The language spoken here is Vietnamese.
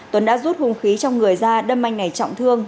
tuấn đã rút hung khí trong người ra đâm anh này trọng thương